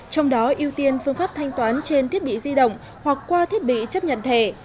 trong đó ưu tiên phương pháp thanh toán trên thiết bị di động hoặc qua thiết bị chấp nhận thẻ